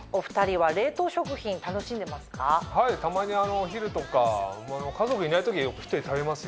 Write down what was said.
はいたまにお昼とか家族いない時はよく１人で食べますよ